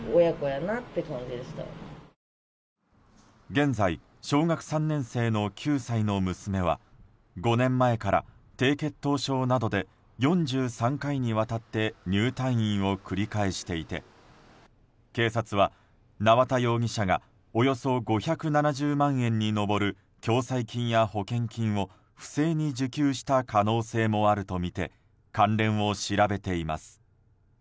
現在、小学校３年生の９歳の娘は５年前から低血糖症などで４３回にわたって入退院を繰り返していて警察は、縄田容疑者がおよそ５７０万円に上る共済金や保険金を不正に受給した可能性もあるとみて関連を調べています。